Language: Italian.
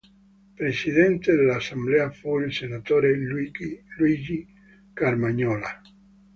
Presidente dell'assemblea fu il senatore Luigi Carmagnola.